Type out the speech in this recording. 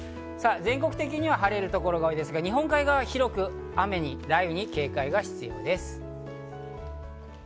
全国的には晴れる所が多いですが、日本海側は雨や雷雨に警戒が必要です。